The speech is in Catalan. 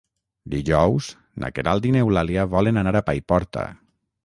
Dijous na Queralt i n'Eulàlia volen anar a Paiporta.